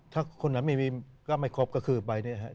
ถ้าคนนั้นไม่มีก็ไม่ครบก็คือใบนี้ครับ